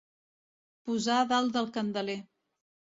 Posar dalt del candeler.